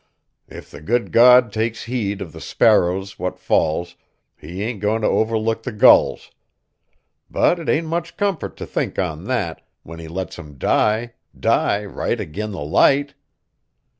If the good God takes heed of the sparrows what falls, He ain't goin' t' overlook the gulls; but 't ain't much comfort to think on that, when He lets 'em die, die right agin the Light.